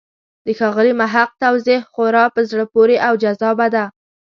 د ښاغلي محق توضیح خورا په زړه پورې او جذابه ده.